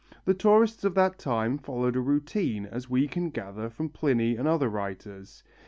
The tourists of that time followed a routine, as we can gather from Pliny and other writers.